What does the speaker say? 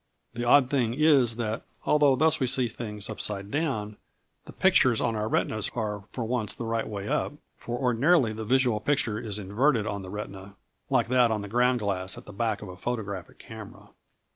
The odd thing is that although thus we see things upside down, the pictures on our retinas are for once the right way up; for ordinarily the visual picture is inverted on the retina, like that on the ground glass at the back of a photographic camera.